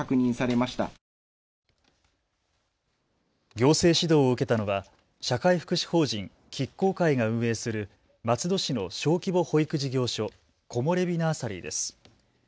行政指導を受けたのは社会福祉法人菊光会が運営する松戸市の小規模保育事業所コモレビ・ナーサリーです。